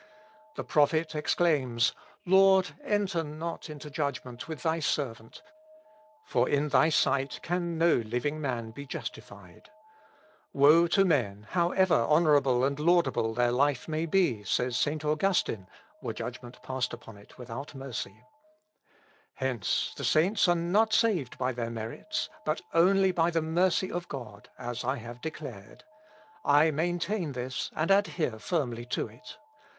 The prophet exclaims, 'Lord, enter not into judgment with thy servant; for in thy sight can no living man be justified.' 'Woe to men, however honourable and laudable their life may be,' says St. Augustine, 'were judgment passed upon it without mercy.' Psalm cxliii, 2. Confes. ix. "Hence the saints are not saved by their merits, but only by the mercy of God, as I have declared. I maintain this, and adhere firmly to it.